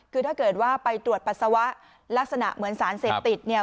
คือถ้าเกิดว่าไปตรวจปัสสาวะลักษณะเหมือนสารเสพติดเนี่ย